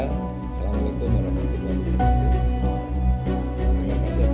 assalamualaikum warahmatullahi wabarakatuh